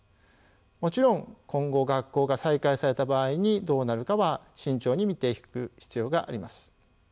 もちろん今後学校が再開された場合にどうなるかは慎重に見ていく必要があります。